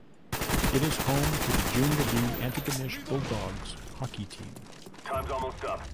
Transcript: It is home to the Junior B Antigonish Bulldogs hockey team.